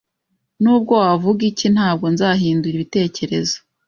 Nubwo wavuga iki, ntabwo nzahindura ibitekerezo